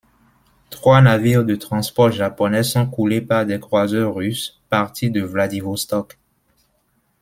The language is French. Trois navires de transports japonais sont coulés par des croiseurs russes partis de Vladivostok.